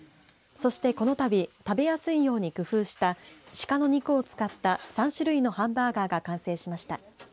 そして、このたび食べやすいように工夫したシカの肉を使った３種類のハンバーガーが完成しました。